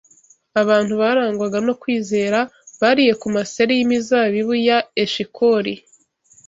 abantu barangwaga no kwizera bariye ku maseri y’imizabibu ya Eshikoli.